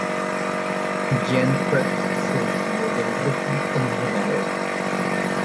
Jean Prat se despidió del rugby como jugador.